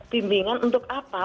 bimbingan untuk apa